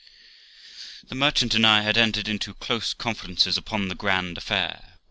The merchant and I had entered into close conferences upon the grand affair.